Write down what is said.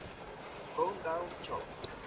Countdown", "Show!